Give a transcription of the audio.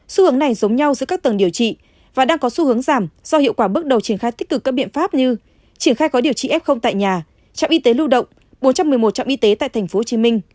xu hướng này giống nhau giữa các tầng điều trị và đang có xu hướng giảm do hiệu quả bước đầu triển khai tích cực các biện pháp như triển khai gói điều trị f tại nhà trạm y tế lưu động bốn trăm một mươi một trạm y tế tại tp hcm